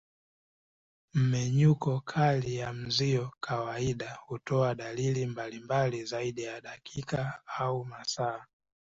Mmenyuko kali ya mzio kawaida hutoa dalili mbalimbali zaidi ya dakika au masaa.